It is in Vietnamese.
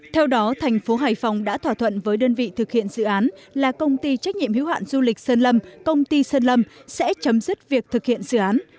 theo đó thành phố hải phòng đã thỏa thuận với đơn vị thực hiện dự án là công ty trách nhiệm hiếu hạn du lịch sơn lâm công ty sơn lâm sẽ chấm dứt việc thực hiện dự án